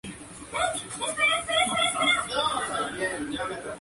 Fields para Paramount.